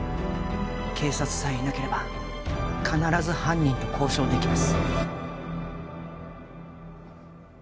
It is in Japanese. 警察さえいなければ必ず犯人と交渉できます